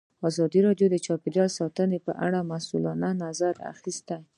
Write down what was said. ازادي راډیو د چاپیریال ساتنه په اړه د مسؤلینو نظرونه اخیستي.